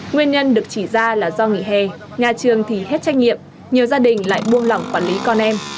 nguyên nhân được chỉ ra là do nghỉ hè nhà trường thì hết trách nhiệm nhiều gia đình lại buông lỏng quản lý con em